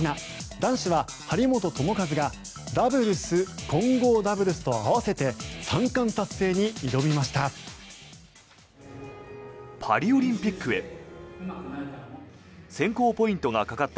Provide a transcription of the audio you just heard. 男子は張本智和がダブルス、混合ダブルスと合わせて３冠達成に挑みました。